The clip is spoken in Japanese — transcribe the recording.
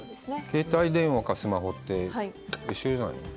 携帯電話かスマホって一緒じゃないの？